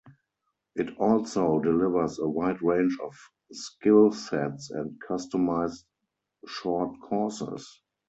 It also delivers a wide range of skill sets and customized short courses.